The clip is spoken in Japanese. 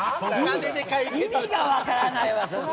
意味が分からないわ。